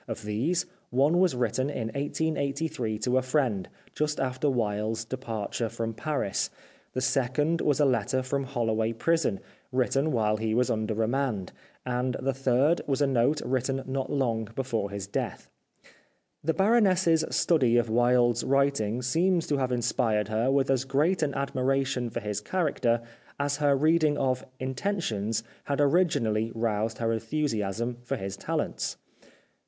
Of these, one was written in 1883 to a friend, just after Wilde's 355 The Life of Oscar Wilde departure from Paris, the second was a letter from Holloway Prison, written while he was under remand, and the third was a note written not long before his death. The Baroness's study of Wilde's writing seems to have inspired her with as great an admiration for his character as her reading of "Intentions" had originally roused her enthusiasm for his talents.